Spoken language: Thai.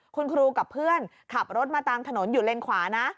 คุณครูกับเพื่อนขับรถมาตามถนนอยู่เลนขวานะ